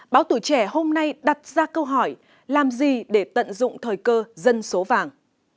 báo tủ trẻ hôm nay đặt ra câu hỏi làm gì để tận dụng thời cơ dân số vàng